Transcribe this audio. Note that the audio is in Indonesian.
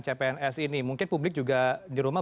cpns ini mungkin publik juga di rumah